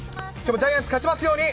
ジャイアンツ勝ちますように。